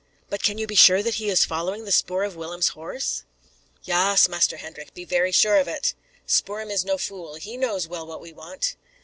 "But can you be sure that he is following the spoor of Willem's horse?" "Yaas, Master Hendrik, very sure of it. Spoor'em is no fool. He knows well what we want."